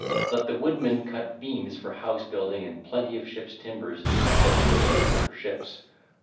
Let the woodman cut beams for house building and plenty of ships' timbers, such as are suitable for ships.